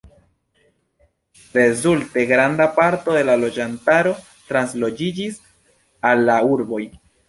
Rezulte, granda parto de loĝantaro transloĝiĝis al la urboj.